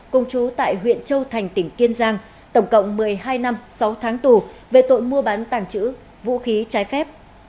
cùng chú tại huyện châu thành tỉnh kiên giang tổng cộng một mươi hai năm sáu tháng tù về tội mua bán tàng trữ vũ khí trái phép